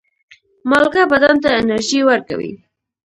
مالګه بدن ته انرژي ورکوي.